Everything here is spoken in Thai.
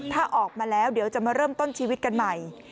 ถ้าออกมาแล้วเดี๋ยวจะมาเริ่มต้นชีวิตกันใหม่